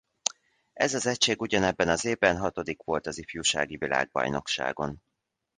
Ez az egység ugyanebben az évben hatodik volt az ifjúsági világbajnokságon.